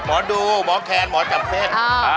หมอดูหมอแคนหมอจับเส้น